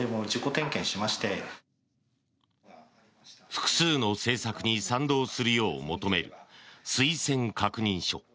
複数の政策に賛同するよう求める推薦確認書。